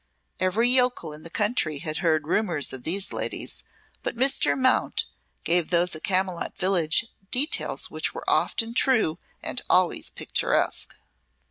Every yokel in the country had heard rumours of these ladies, but Mr. Mount gave those at Camylott village details which were often true and always picturesque.